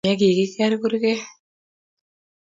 Ki chol Tom ye ki kikwer kurket